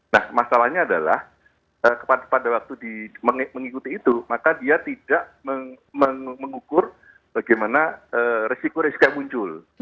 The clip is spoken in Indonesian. nah masalahnya adalah pada waktu mengikuti itu maka dia tidak mengukur bagaimana resiko risiko yang muncul